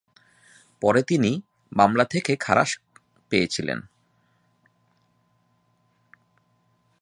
পরে তিনি মামলা থেকে খালাস পেয়েছিলেন।